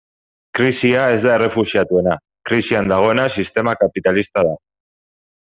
Krisia ez da errefuxiatuena, krisian dagoena sistema kapitalista da.